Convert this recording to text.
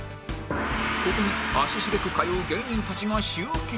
ここに足しげく通う芸人たちが集結